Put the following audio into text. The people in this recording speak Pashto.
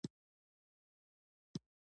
کچالو د شکرې ناروغانو لپاره مناسب ندی.